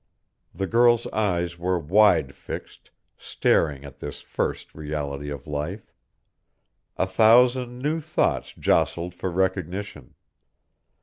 The girl's eyes were wide fixed, staring at this first reality of life. A thousand new thoughts jostled for recognition.